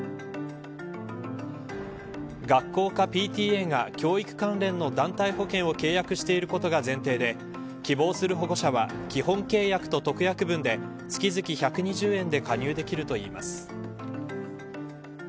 学校かＰＴＡが教育関連の団体保険を契約していることが前提で希望する保護者は基本契約と特約分で月々１２０円で加入できるといいます。